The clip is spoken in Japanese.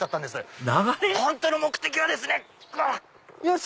本当の目的はですね。